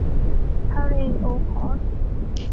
ทะเลโอค็อตสค์